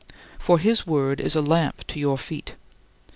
" For his word is a lamp to your feet.